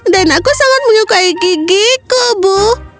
dan aku sangat menyukai gigiku bu